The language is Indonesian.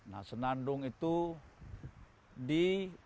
nah senandung itu di